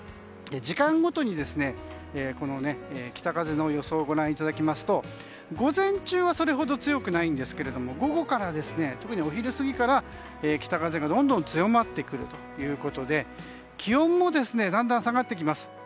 時間ごとに北風の予想をご覧いただきますと午前中はそれほど強くないんですが午後から、特にお昼過ぎから北風がどんどん強まってきて気温もだんだん下がってきます。